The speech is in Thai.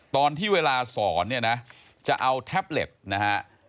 ตอนที่เวลาสอนเนี่ยนะจะเอาแท็บเล็ตนะฮะ